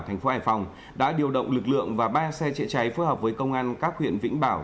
thành phố hải phòng đã điều động lực lượng và ba xe chữa cháy phối hợp với công an các huyện vĩnh bảo